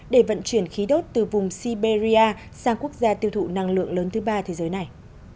để vận chuyển khí đốt từ vùng siberia sang quốc gia tiêu thụ năng lượng lớn thứ ba thế giới này